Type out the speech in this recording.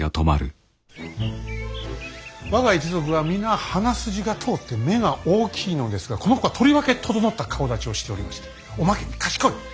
我が一族は皆鼻筋が通って目が大きいのですがこの子はとりわけ整った顔だちをしておりましておまけに賢い。